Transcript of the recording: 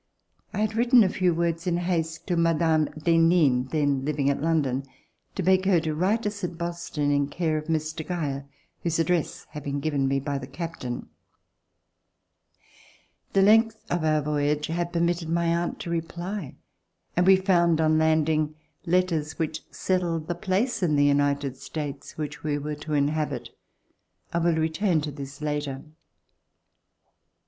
I had written a few words in haste to Mme. d'Henin, then living at London, to beg her to write C185] RECOLLECTIONS OF THE REVOLUTION us at Boston, in care of Mr. Geyer whose address had been given me by the captain. The length of our voyage had permitted my aunt to reply, and we found, on landing, letters which settled the place In the United States which we were to inhabit. I will return to this later.